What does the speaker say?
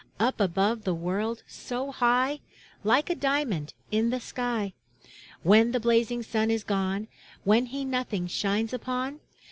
Up above the world, so high, Like a diamond in the sky. When the blazing sun is gone. When he nothing shines upon.